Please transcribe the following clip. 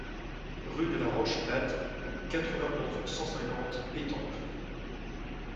Rue de la Roche Plate, quatre-vingt-onze, cent cinquante Étampes